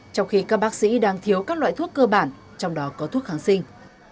trong khi các bác sĩ đang thiếu các loại thuốc cơ bản trong đó có thuốc kháng sinh